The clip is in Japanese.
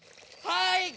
はい！